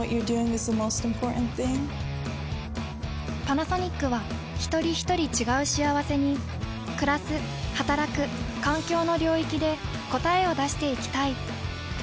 パナソニックはひとりひとり違う幸せにくらすはたらく環境の領域で答えを出していきたい。